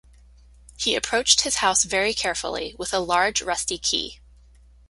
He approached his house very carefully, with a large rusty key.